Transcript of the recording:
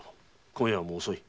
今夜はもう遅い。